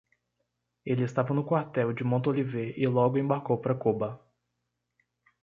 Ele estava no quartel de Montolivet e logo embarcou para Cuba.